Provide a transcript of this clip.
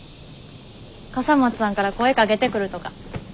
笠松さんから声かけてくるとか。